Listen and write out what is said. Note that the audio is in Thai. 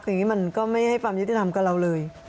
คืออย่างนี้มันก็ไม่ให้ความยุติธรรมกับเราเลย